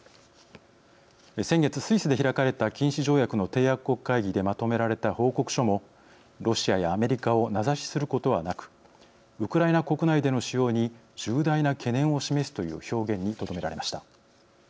先月スイスで開かれた禁止条約の締約国会議でまとめられた報告書もロシアやアメリカを名指しすることはなくウクライナ国内での使用に重大な懸念を示すという表現にとどめられました。